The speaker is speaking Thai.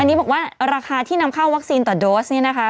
อันนี้บอกว่าราคาที่นำเข้าวัคซีนต่อโดสเนี่ยนะคะ